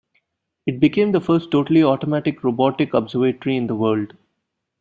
It became the first totally automatic robotic observatory in the world.